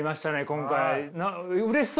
今回。